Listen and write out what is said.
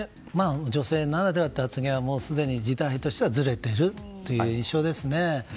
女性ならではという発言はすでに時代としてはずれているという印象ですね。